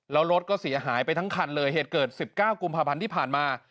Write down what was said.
แล้วรถก็เสียหายไปทั้งคันเลยเหตุเกิด๑๙กุมภาพันธ์ที่ผ่านมา